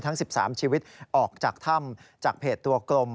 ทั้ง๑๓ชีวิตออกจากถ้ำจากเพจตัวกลม